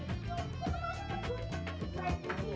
aduh aku nih cinta sama kamu